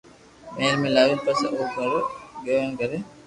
مھل ۾ لاوين پسي او ھارو ايڪ گھر